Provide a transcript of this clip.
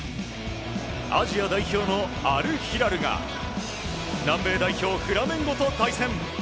アジア代表のアルヒラルが南米代表フラメンゴと対戦。